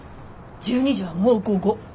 １２時はもう午後。